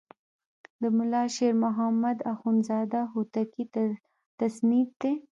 د ملا شیر محمد اخوندزاده هوتکی تصنیف دی.